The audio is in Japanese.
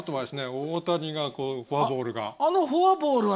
大谷がフォアボールが。